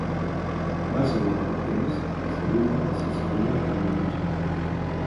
Va ser durant aquest temps que Siruma va ser cedida a Camarines Nord.